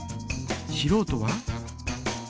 しろうとは？